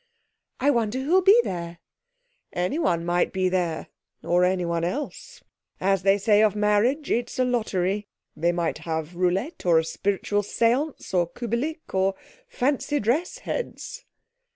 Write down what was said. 'I wonder who'll be there?' 'Anyone might be there, or anyone else. As they say of marriage, it's a lottery. They might have roulette, or a spiritual séance, or Kubelik, or fancy dress heads.'